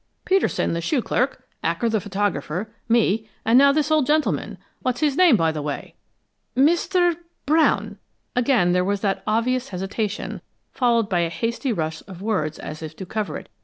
"Peterson, the shoe clerk; Acker, the photographer; me and now this old gentleman. What's his name, by the way?" "Mr. Brown." Again there was that obvious hesitation, followed by a hasty rush of words as if to cover it.